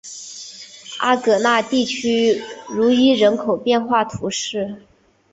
阿戈讷地区茹伊人口变化图示